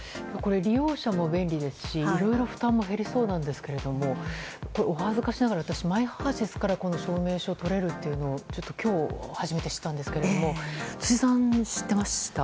利用者も便利ですしいろいろ負担も減りそうなんですがお恥ずかしながらＭｙＨＥＲ‐ＳＹＳから証明書が取れるというのを今日初めて知ったんですけれども辻さん、知っていました？